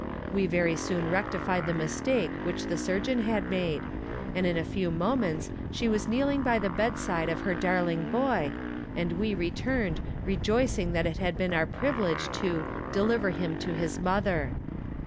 We very soon rectified the mistake which the surgeon had made, and in a few moments she was kneeling by the bedside of her darling boy, and we returned rejoicing that it had been our privilege to "deliver him to his mother."